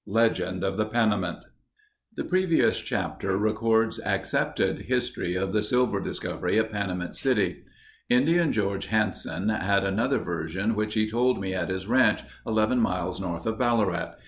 Legend of the Panamint The previous chapter records accepted history of the silver discovery at Panamint City. Indian George Hansen had another version which he told me at his ranch 11 miles north of Ballarat.